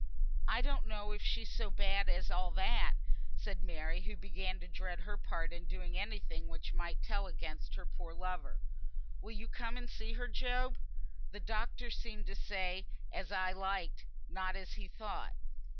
"I don't know if she's so bad as all that," said Mary, who began to dread her part in doing any thing which might tell against her poor lover. "Will you come and see her, Job? The doctor seemed to say as I liked, not as he thought."